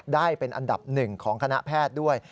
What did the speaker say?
ได้เป็นอันดับหนึ่งของคณะแพทย์ด้วย